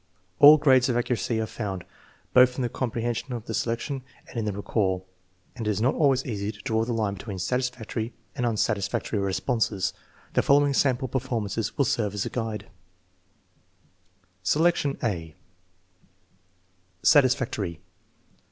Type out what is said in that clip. All grades of accuracy are found, both in the compre hension of the selection and in the recall, and it is not always easy to draw the line between satisfactory and unsatis factory responses. The following sample performances will serve as a guide: Selection (a) Satisfactory.